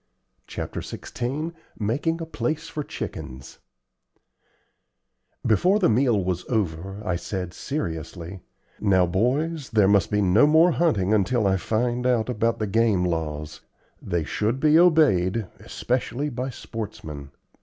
CHAPTER XVI MAKING A PLACE FOR CHICKENS Before the meal was over, I said, seriously, "Now, boys, there must be no more hunting until I find out about the game laws. They should be obeyed, especially by sportsmen.